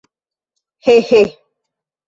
He, he!